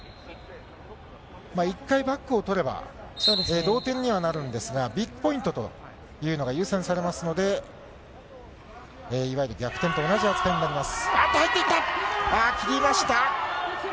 １回、バックを取れば、同点にはなるんですが、ビッグポイントというのが優先されますので、いわゆる逆転と同じ扱いになります。